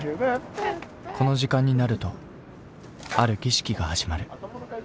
この時間になるとある儀式が始まる。